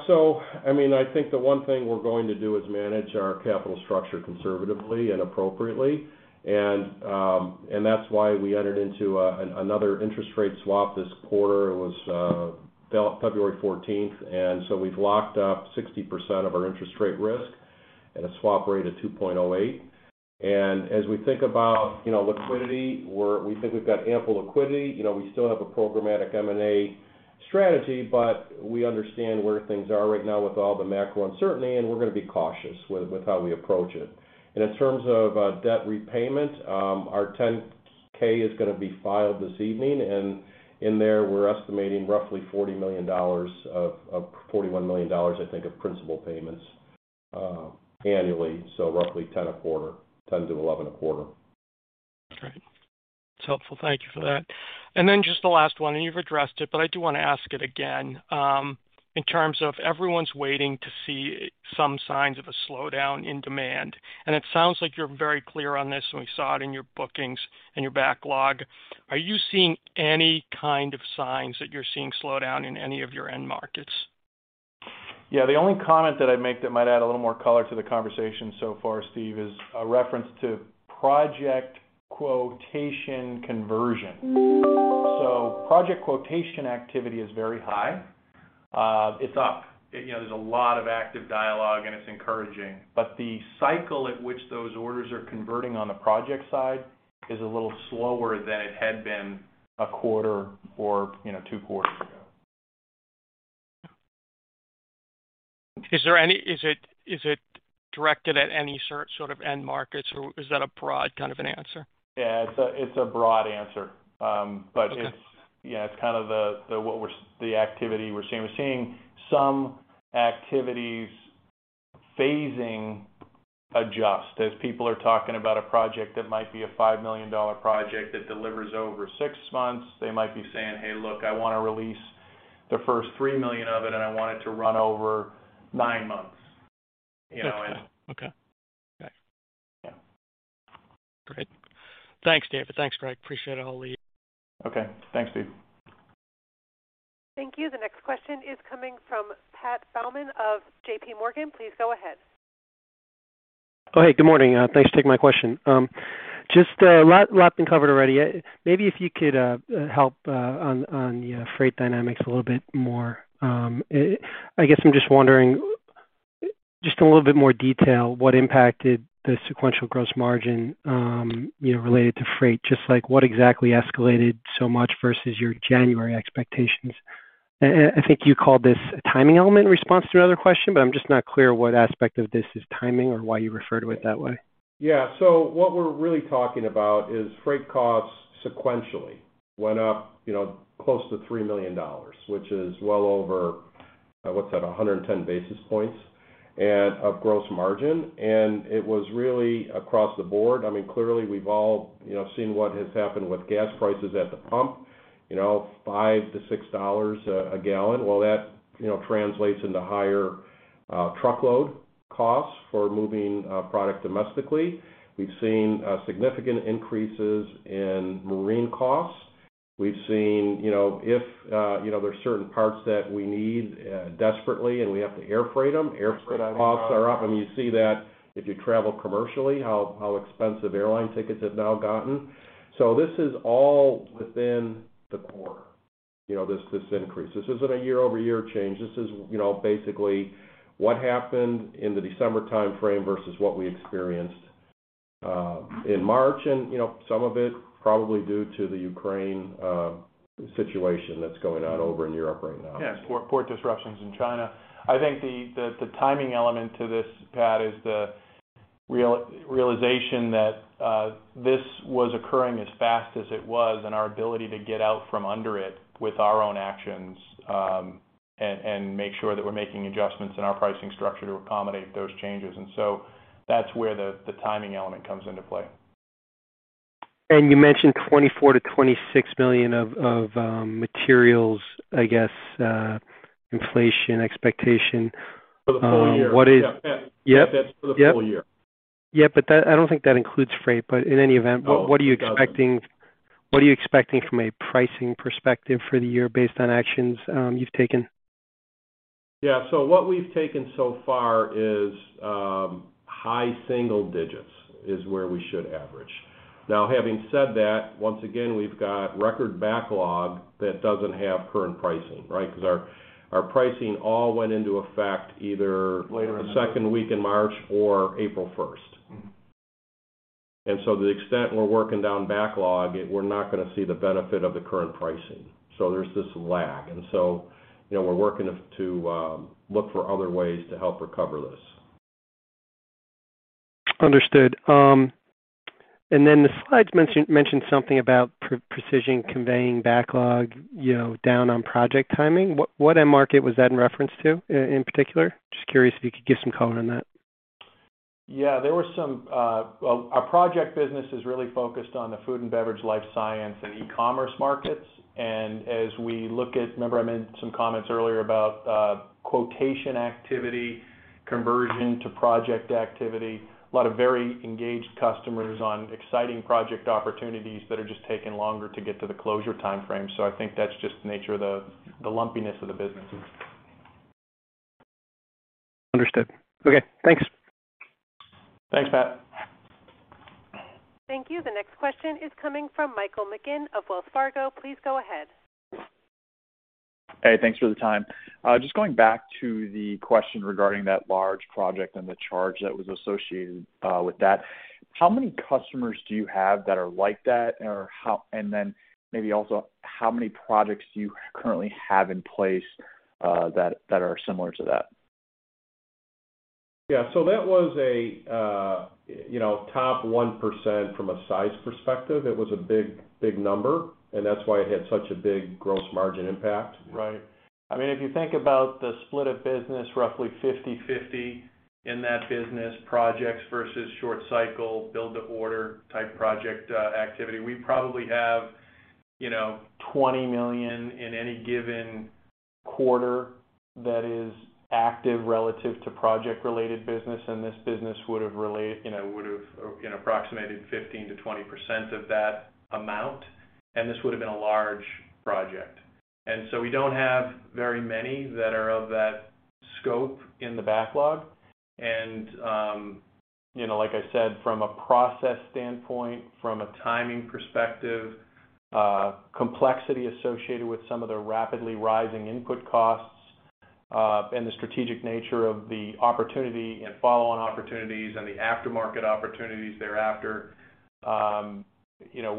I mean, I think the one thing we're going to do is manage our capital structure conservatively and appropriately. That's why we entered into another interest rate swap this quarter. It was February fourteenth, we've locked up 60% of our interest rate risk at a swap rate of 2.08. As we think about, you know, liquidity, we think we've got ample liquidity. You know, we still have a programmatic M&A strategy, but we understand where things are right now with all the macro uncertainty, and we're gonna be cautious with how we approach it. In terms of debt repayment, our 10-K is gonna be filed this evening. In there, we're estimating roughly $40 million of $41 million, I think, of principal payments annually, so roughly $10 million a quarter, $10 million-$11 million a quarter. Great. It's helpful. Thank you for that. Then just the last one, and you've addressed it, but I do wanna ask it again. In terms of everyone's waiting to see some signs of a slowdown in demand, and it sounds like you're very clear on this, and we saw it in your bookings and your backlog. Are you seeing any kind of signs that you're seeing slowdown in any of your end markets? Yeah. The only comment that I'd make that might add a little more color to the conversation so far, Steve, is a reference to project quotation conversion. Project quotation activity is very high. It's up. You know, there's a lot of active dialogue, and it's encouraging. The cycle at which those orders are converting on the project side is a little slower than it had been a quarter or, you know, two quarters ago. Is it directed at any sort of end markets, or is that a broad kind of an answer? Yeah. It's a broad answer. It's Yeah, it's kind of the activity we're seeing. We're seeing some activity phasing adjustments. As people are talking about a project that might be a $5 million project that delivers over six months, they might be saying, "Hey, look, I wanna release the first $3 million of it, and I want it to run over nine months." You know? Okay. Okay. Great. Thanks, David. Thanks, Greg. Appreciate it. I'll leave you. Okay. Thanks, Steve. Thank you. The next question is coming from Pat Bauman of J.P. Morgan. Please go ahead. Oh, hey, good morning. Thanks for taking my question. Just a lot's been covered already. Maybe if you could help on the freight dynamics a little bit more. I guess I'm just wondering, just in a little bit more detail, what impacted the sequential gross margin, you know, related to freight? Just like what exactly escalated so much versus your January expectations? I think you called this a timing element in response to another question, but I'm just not clear what aspect of this is timing or why you referred to it that way. Yeah. What we're really talking about is freight costs sequentially went up, you know, close to $3 million, which is well over, what's that, 110 basis points and of gross margin. It was really across the board. I mean, clearly, we've all, you know, seen what has happened with gas prices at the pump, you know, $5-$6 a gallon. Well, that, you know, translates into higher truckload costs for moving product domestically. We've seen significant increases in marine costs. We've seen, you know, if, you know, there's certain parts that we need desperately, and we have to air freight them, air freight costs are up. I mean, you see that if you travel commercially, how expensive airline tickets have now gotten. This is all within the quarter, you know, this increase. This isn't a year-over-year change. This is, you know, basically what happened in the December timeframe versus what we experienced in March. You know, some of it probably due to the Ukraine situation that's going on over in Europe right now. Yeah, port disruptions in China. I think the timing element to this, Pat, is the realization that this was occurring as fast as it was and our ability to get out from under it with our own actions, and make sure that we're making adjustments in our pricing structure to accommodate those changes. That's where the timing element comes into play. You mentioned $24 million-$26 million of materials, I guess, inflation expectation. For the full year. What is Yeah, Pat. Yep. That's for the full year. Yeah, that, I don't think that includes freight, but in any event No, it doesn't. What are you expecting from a pricing perspective for the year based on actions you've taken? What we've taken so far is high single-digits is where we should average. Now having said that, once again, we've got record backlog that doesn't have current pricing, right? 'Cause our pricing all went into effect either the second week in March or 1 April 2022. To the extent we're working down backlog, we're not gonna see the benefit of the current pricing. There's this lag. You know, we're working to look for other ways to help recover this. Understood. The slides mentioned something about Precision Conveyance backlog, you know, down on project timing. What end market was that in reference to in particular? Just curious if you could give some color on that. Yeah. There were some. Well, our project business is really focused on the food and beverage, life science, and e-commerce markets. Remember I made some comments earlier about quotation activity, conversion to project activity, a lot of very engaged customers on exciting project opportunities that are just taking longer to get to the closure timeframe. I think that's just the nature of the lumpiness of the businesses. Understood. Okay, thanks. Thanks, Pat. Thank you. The next question is coming from Michael McGinn of Wells Fargo. Please go ahead. Hey, thanks for the time. Just going back to the question regarding that large project and the charge that was associated with that, how many customers do you have that are like that? Or maybe also, how many projects do you currently have in place that are similar to that? Yeah. That was a, you know, top 1% from a size perspective. It was a big number, and that's why it had such a big gross margin impact. Right. I mean, if you think about the split of business, roughly 50/50 in that business, projects versus short cycle, build-to-order type project activity. We probably have, you know, $20 million in any given quarter that is active relative to project-related business, and this business would've approximated 15%-20% of that amount, and this would've been a large project. You know, like I said, from a process standpoint, from a timing perspective, complexity associated with some of the rapidly rising input costs, and the strategic nature of the opportunity and follow-on opportunities and the aftermarket opportunities thereafter, you know,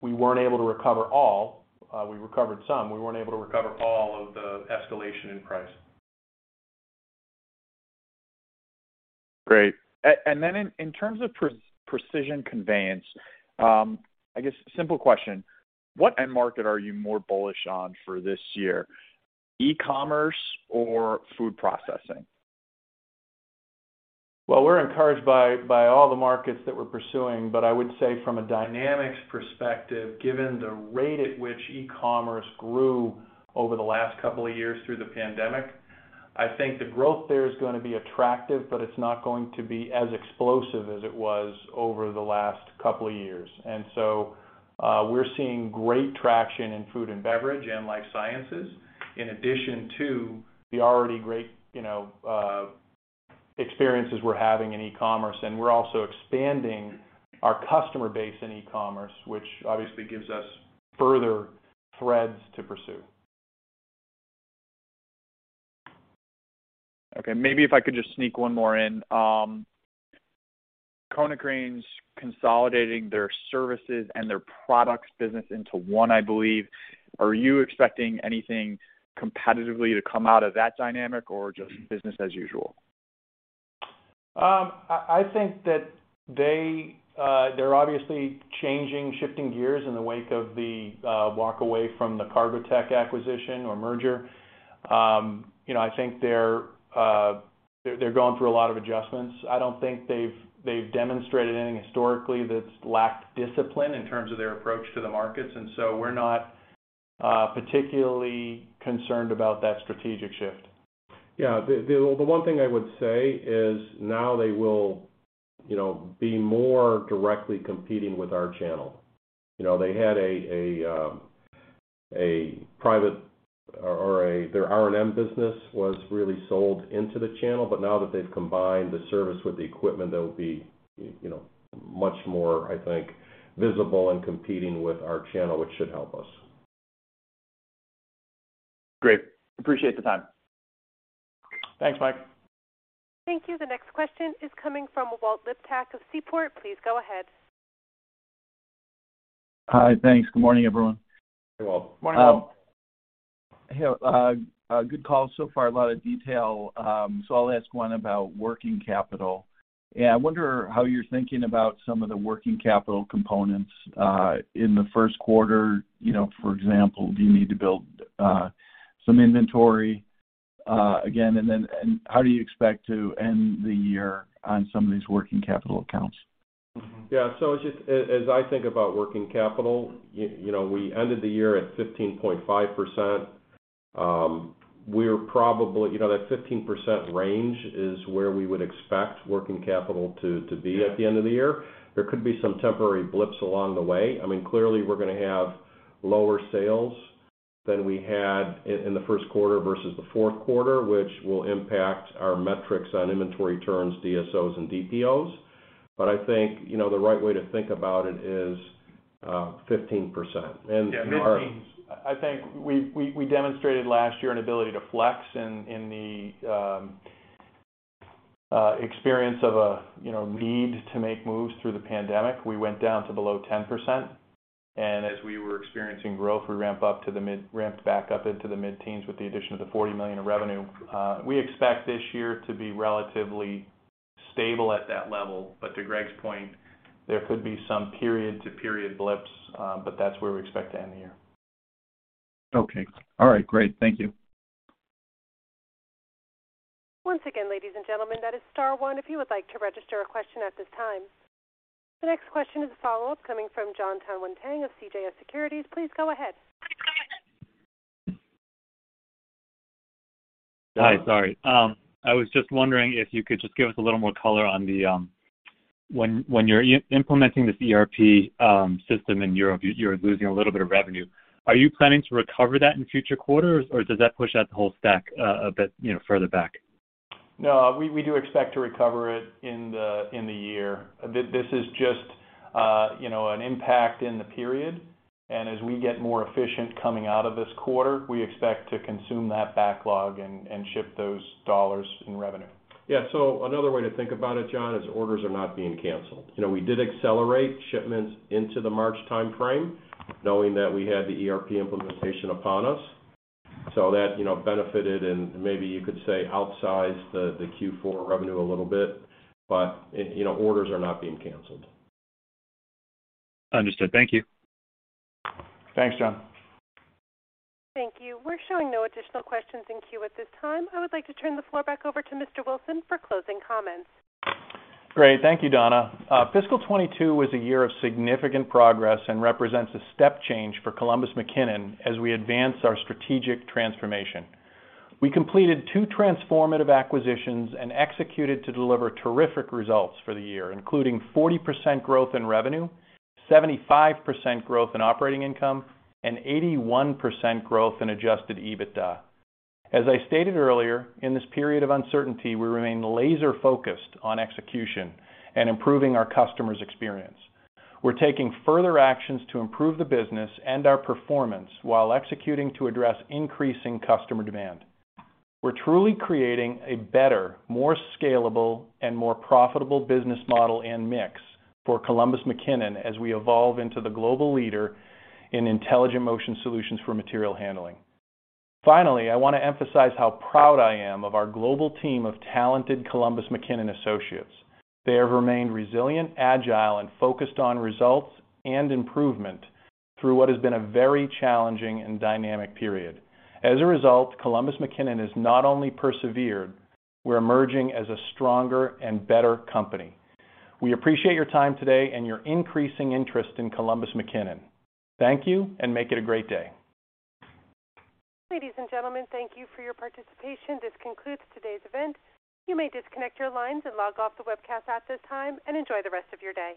we weren't able to recover all. We recovered some. We weren't able to recover all of the escalation in price. Great. In terms of Precision Conveyance, I guess simple question, what end market are you more bullish on for this year, e-commerce or food processing? Well, we're encouraged by all the markets that we're pursuing, but I would say from a dynamics perspective, given the rate at which e-commerce grew over the last couple of years through the pandemic, I think the growth there is gonna be attractive, but it's not going to be as explosive as it was over the last couple of years. We're seeing great traction in food and beverage and life sciences in addition to the already great, you know, experiences we're having in e-commerce, and we're also expanding our customer base in e-commerce, which obviously gives us further threads to pursue. Okay. Maybe if I could just sneak one more in. Konecranes consolidating their services and their products business into one, I believe. Are you expecting anything competitively to come out of that dynamic or just business as usual? I think that they're obviously changing, shifting gears in the wake of the walk away from the Cargotec acquisition or merger. You know, I think they're going through a lot of adjustments. I don't think they've demonstrated anything historically that's lacked discipline in terms of their approach to the markets, and so we're not particularly concerned about that strategic shift. The one thing I would say is now they will, you know, be more directly competing with our channel. You know, their R&M business was really sold into the channel, but now that they've combined the service with the equipment, they'll be, you know, much more, I think, visible and competing with our channel, which should help us. Great. Appreciate the time. Thanks, Mike. Thank you. The next question is coming from Walt Liptak of Seaport. Please go ahead. Hi. Thanks. Good morning, everyone. Hey, Walt. Morning, Walt. Hey, good call so far, a lot of detail. I'll ask one about working capital. Yeah, I wonder how you're thinking about some of the working capital components in the Q1. You know, for example, do you need to build some inventory again? And then how do you expect to end the year on some of these working capital accounts? Just as I think about working capital, you know, we ended the year at 15.5%. You know, that 15% range is where we would expect working capital to be at the end of the year. There could be some temporary blips along the way. I mean, clearly, we're gonna have lower sales than we had in the Q1 versus the Q4, which will impact our metrics on inventory turns, DSOs, and DPOs. I think, you know, the right way to think about it is 15%. Yeah, mid-teens%. I think we demonstrated last year an ability to flex in the experience of a, you know, need to make moves through the pandemic. We went down to below 10%. As we were experiencing growth, we ramped back up into the mid-teens% with the addition of the $40 million of revenue. We expect this year to be relatively stable at that level. To Greg's point, there could be some period-to-period blips, but that's where we expect to end the year. Okay. All right. Great. Thank you. Once again, ladies and gentlemen, that is star one if you would like to register a question at this time. The next question is a follow-up coming from Jon Tanwanteng of CJS Securities. Please go ahead. Hi, sorry. I was just wondering if you could just give us a little more color on the when you're implementing this ERP system in Europe, you're losing a little bit of revenue. Are you planning to recover that in future quarters, or does that push out the whole stack a bit, you know, further back? No, we do expect to recover it in the year. This is just, you know, an impact in the period. As we get more efficient coming out of this quarter, we expect to consume that backlog and ship those dollars in revenue. Yeah. Another way to think about it, Jon, is orders are not being canceled. You know, we did accelerate shipments into the March timeframe, knowing that we had the ERP implementation upon us. That, you know, benefited and maybe you could say outsized the Q4 revenue a little bit. You know, orders are not being canceled. Understood. Thank you. Thanks, Jon. Thank you. We're showing no additional questions in queue at this time. I would like to turn the floor back over to Mr. Wilson for closing comments. Great. Thank you, Donna. Fiscal 2022 was a year of significant progress and represents a step change for Columbus McKinnon as we advance our strategic transformation. We completed two transformative acquisitions and executed to deliver terrific results for the year, including 40% growth in revenue, 75% growth in operating income, and 81% growth in Adjusted EBITDA. As I stated earlier, in this period of uncertainty, we remain laser-focused on execution and improving our customers' experience. We're taking further actions to improve the business and our performance while executing to address increasing customer demand. We're truly creating a better, more scalable, and more profitable business model and mix for Columbus McKinnon as we evolve into the global leader in intelligent motion solutions for material handling. Finally, I wanna emphasize how proud I am of our global team of talented Columbus McKinnon associates. They have remained resilient, agile, and focused on results and improvement through what has been a very challenging and dynamic period. As a result, Columbus McKinnon has not only persevered, we're emerging as a stronger and better company. We appreciate your time today and your increasing interest in Columbus McKinnon. Thank you, and make it a great day. Ladies and gentlemen, thank you for your participation. This concludes today's event. You may disconnect your lines and log off the webcast at this time, and enjoy the rest of your day.